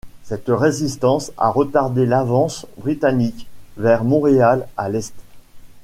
Cette résistance a retardé l'avance britannique vers Montréal, à l'est.